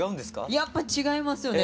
やっぱ違いますよね。